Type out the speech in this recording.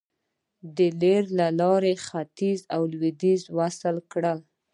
د ریل لارې ختیځ او لویدیځ وصل کړل.